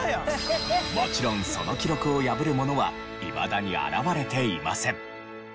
もちろんその記録を破る者はいまだに現れていません。